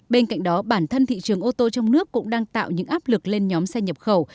bên cạnh đó bản thân thị trường ô tô trong nước cũng đang tạo những áp lực lên nhóm xe nhập khẩu